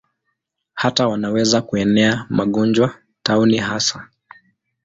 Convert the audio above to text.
Hata wanaweza kuenea magonjwa, tauni hasa.